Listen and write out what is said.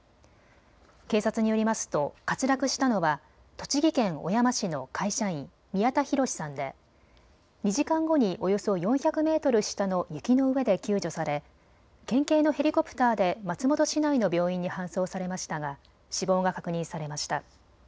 警察によりますと滑落したのは栃木県小山市の会社員、宮田博さんで２時間後におよそ４００メートル下の雪の上で救助され県警のヘリコプターで松本市内の病院に搬送されましたが死亡が確認されました。